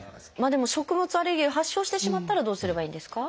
でも食物アレルギーを発症してしまったらどうすればいいんですか？